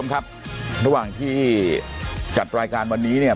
กระตงรายการนี้เนี่ย